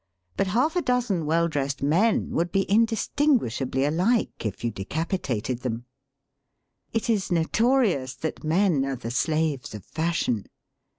But half a dozen well dressed men would be indistinguishably alike if you decapitated them. It is notorious that men are the slaves of fashion.